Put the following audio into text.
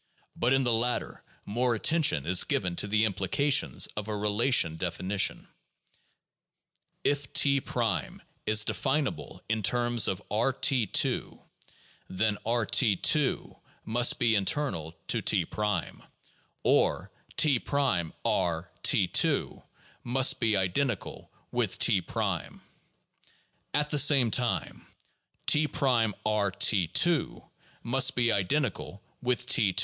But in the latter more at tention is given to the implications of a relational definition. If 2" is definable in terms of B{T 2 ), then R(T 2 ) must be internal to T, or, (T')R(T 2 ) must be identical with T. At the same time, (T')R(T 2 ) must be identical with T 2